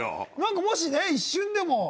何かもしね一瞬でも。